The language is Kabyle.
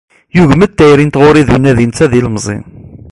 Yugem-d tayri n tɣuri d unadi netta d ilemẓi.